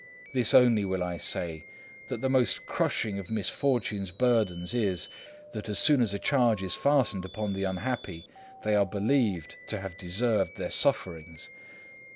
This only will I say, that the most crushing of misfortune's burdens is, that as soon as a charge is fastened upon the unhappy, they are believed to have deserved their sufferings.